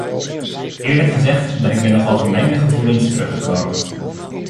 Eerlijk gezegd ben ik met nogal gemengde gevoelens teruggekomen.